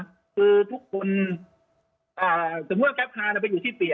คือทุกคนสมมุติแกร๊บคาไปอยู่ที่เปรียล